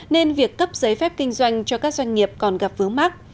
nên việc cấp giấy phép kinh doanh cho các doanh nghiệp còn gặp vướng mắt